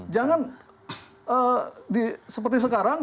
jangan seperti sekarang